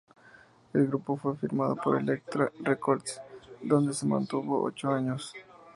El grupo fue firmado por Elektra Records, donde se mantuvieron ocho años.